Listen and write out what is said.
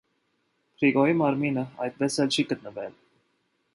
Բրիկուի մարմինը այդպես էլ չի գտնվել։